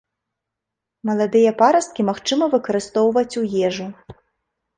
Маладыя парасткі магчыма выкарыстоўваць у ежу.